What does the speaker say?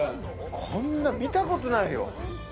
こんな見たことないよ。